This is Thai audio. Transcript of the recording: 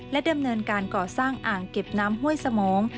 และเดิมเนินการก่อสร้างอ่างเก็บน้ำห้วยสมงค์